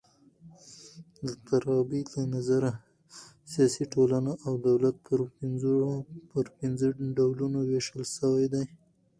د فارابۍ له نظره سیاسي ټولنه او دولت پر پنځه ډولونو وېشل سوي دي.